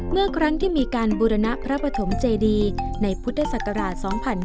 เมื่อครั้งที่มีการบูรณพระปฐมเจดีในพุทธศักราช๒๕๕๙